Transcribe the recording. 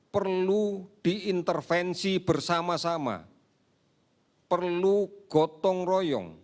perlu diintervensi bersama sama perlu gotong royong